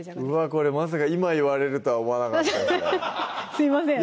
これまさか今言われるとは思わなかったすいません